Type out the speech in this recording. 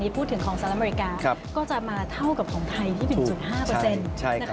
พูดถึงของสหรัฐอเมริกาก็จะมาเท่ากับของไทยที่๑๕นะคะ